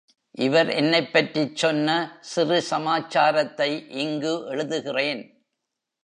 இவர் என்னைப்பற்றிச் சொன்ன சிறு சமாச்சாரத்தை இங்கு எழுது கிறேன்.